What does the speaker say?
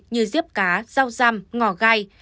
như diếp cá rau răm ngò gai